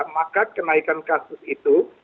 maka kenaikan kasus itu